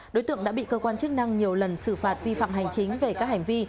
đối tượng đã bị cơ quan chức năng nhiều lần xử phạt vi phạm hành chính về các hành vi